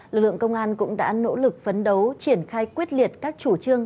lực lượng công an cũng đã nỗ lực phấn đấu triển khai quyết liệt các chủ trương